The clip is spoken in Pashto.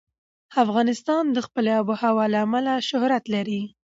افغانستان د خپلې آب وهوا له امله شهرت لري.